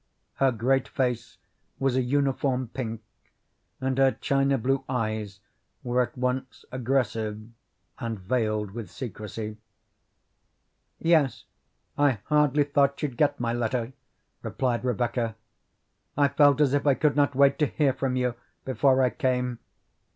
Her great face was a uniform pink, and her china blue eyes were at once aggressive and veiled with secrecy. "Yes, I hardly thought you'd get my letter," replied Rebecca. "I felt as if I could not wait to hear from you before I came.